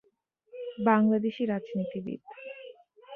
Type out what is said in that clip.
বাংলাদেশী রাজনীতিবিদ।